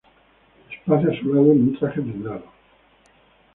Espacio a su lado en un traje blindado.